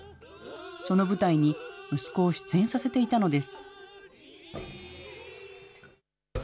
その舞台に息子を出演させていたのです。